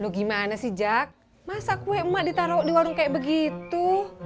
lo gimana sih jak masa kue emak ditaro di warung kayak begitu